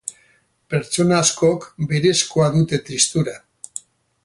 Pertsona askok berezkoa dute tristura.